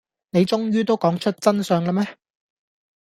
你終於都講出真相喇咩